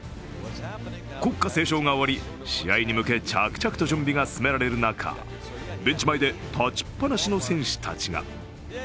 国歌斉唱が終わり、試合に向け着々と準備が進められる中ベンチ前で立ちっぱなしの選手たちが。